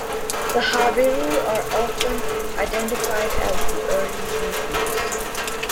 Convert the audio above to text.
The Habiru are often identified as the early Hebrews.